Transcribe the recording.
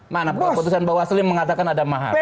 mana keputusan bahwa suhu yang mengatakan ada mahar